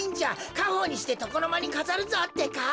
かほうにしてとこのまにかざるぞってか。